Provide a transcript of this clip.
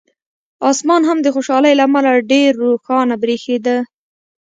اسمان هم د خوشالۍ له امله ډېر روښانه برېښېده.